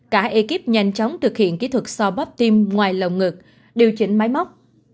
cả ekip nhanh chóng thực hiện kỹ thuật so bắp tim ngoài lồng ngực điều chỉnh máy móc